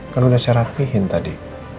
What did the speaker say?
kalau udah saya rapihin tadi